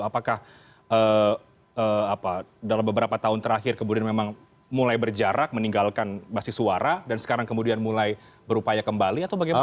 apakah dalam beberapa tahun terakhir kemudian memang mulai berjarak meninggalkan basis suara dan sekarang kemudian mulai berupaya kembali atau bagaimana